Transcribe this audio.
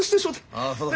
ああそうか。